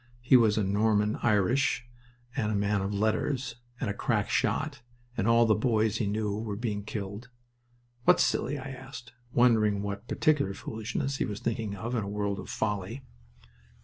He was Norman Irish, and a man of letters, and a crack shot, and all the boys he knew were being killed. "What's silly?" I asked, wondering what particular foolishness he was thinking of, in a world of folly.